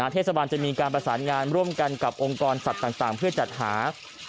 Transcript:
เทศบาลจะมีการประสานงานร่วมกันกับองค์กรสัตว์ต่างเพื่อจัดหา